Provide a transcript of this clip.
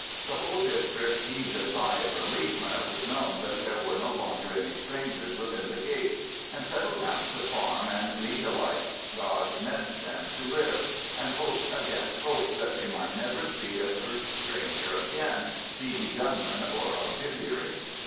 The whole district heaved a sigh of relief when it was known that there were no longer any strangers within the gates, and settled down to farm and lead the life God meant them to live, and hoped against hope that they might never see a cursed stranger again, be he gunman or Auxiliary.